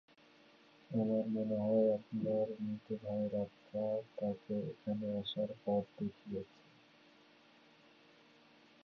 আমার মনে হয় আপনার মৃত ভাইয়ের আত্মা তাকে এখানে আসার পথ দেখিয়েছে।